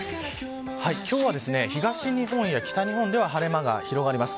今日は東日本や北日本では晴れ間が広がります。